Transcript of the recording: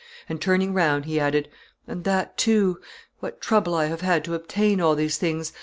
And, turning round, he added, 'And that too! What trouble I have had to obtain all these things!